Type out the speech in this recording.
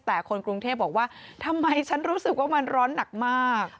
แต่คนกรุงเทพบอกว่าทำไมฉันรู้สึกว่ามันร้อนหนักมาก